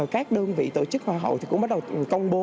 các đơn vị tổ chức hòa hậu thì cũng bắt đầu công bố